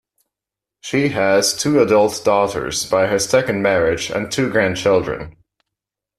She has two adult daughters by her second marriage and two grandchildren.